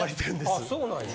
あそうなんや。